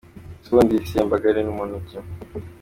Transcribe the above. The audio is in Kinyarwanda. Ese ubundi Sembagare ni munku ki ?.